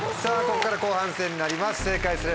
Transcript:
ここから後半戦になります